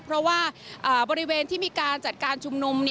เพราะว่าบริเวณที่มีการจัดการชุมนุม